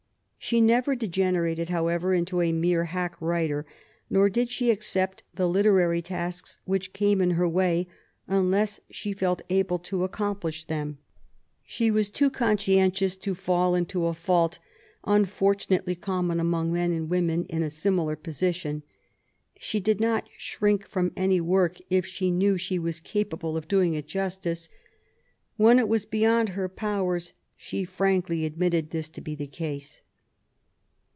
She never degenerated, however, into a mere hack writer, nor did she accept the literary tasks which came in her way, unless she felt able to accomplish them. She was too conscientious to fall into a fault unfortunately common among men and women in a similar position. She did not shrink from any work if she knew she was capable of doing it justice. When it was beyond her powers, she frankly admitted this to be the case.